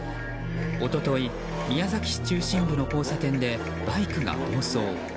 一昨日、宮崎市中心部の交差点でバイクが暴走。